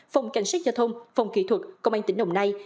phòng cảnh sát giao thông phòng kỹ thuật công an tỉnh đồng nai